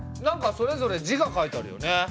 なんかそれぞれ字が書いてあるよね。